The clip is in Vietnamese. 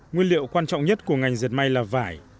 nguyên liệu quan trọng nhất của ngành dệt may là vải